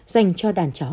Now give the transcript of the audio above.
dành cho đàn chó